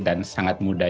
dan sangat mudah